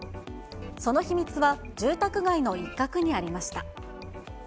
その秘密は、住宅街の一角にありました。